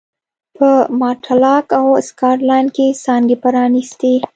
په ماټلاک او سکاټلنډ کې څانګې پرانېستې.